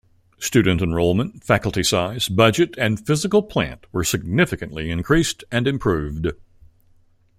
Student enrollment, faculty size, budget, and physical plant were significantly increased and improved.